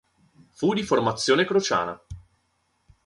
Fu di formazione crociana.